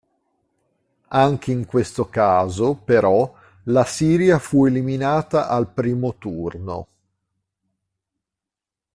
Anche in questo caso, però, la Siria fu eliminata al primo turno.